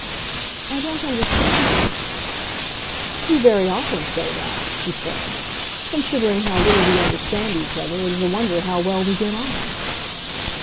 "I don't understand you." "You very often say that," he said. "Considering how little we understand each other, it is a wonder how well we get on!"